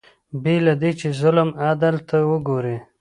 بې له دې چې ظلم عدل ته وګوري